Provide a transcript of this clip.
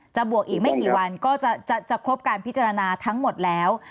บวกอีกไม่กี่วันก็จะครบการพิจารณาทั้งหมดแล้ว